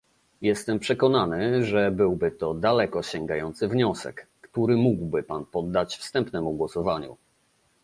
Jestem przekonany, że byłby to daleko sięgający wniosek, który mógłby pan poddać wstępnemu głosowaniu